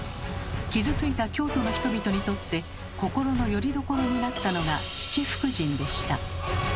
傷ついた京都の人々にとって心のよりどころになったのが七福神でした。